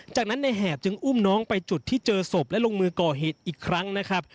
จากนั้นในแหบจึงอุ้มน้องไปจุดที่เจอศพและลงมือก่อเหตุอีกครั้งนะครับ